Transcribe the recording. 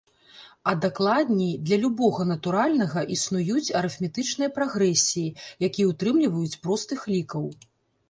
А дакладней, для любога натуральнага існуюць арыфметычныя прагрэсіі, якія ўтрымліваюць простых лікаў.